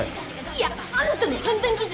いやあんたの判断基準